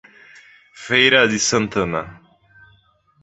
Feira de Santana